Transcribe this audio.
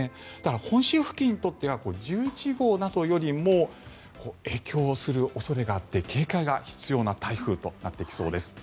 本州付近にとっては１１号などよりも影響する恐れがあって警戒が必要な台風となってきそうです。